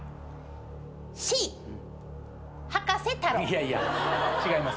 いやいや違います